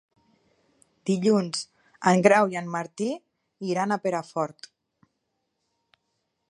Dilluns en Grau i en Martí iran a Perafort.